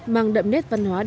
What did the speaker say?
mang đậm nét văn hóa đặc trưng